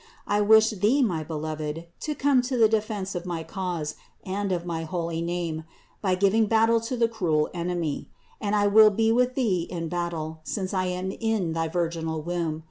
I wish thee, my Beloved, to come to the defense of my cause and of my holy name, by giving battle to the cruel enemy; and I will be with thee in battle, since I am in thy virginal womb.